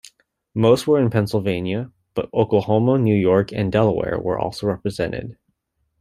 Most were in Pennsylvania, but Oklahoma, New York, and Delaware were also represented.